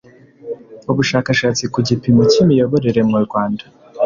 Ubushakashatsi ku gipimo cy Imiyoborere mu Rwanda